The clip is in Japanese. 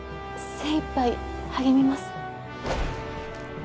精いっぱい励みます。